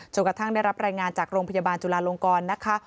กระทั่งได้รับรายงานจากโรงพยาบาลจุลาลงกรนะคะ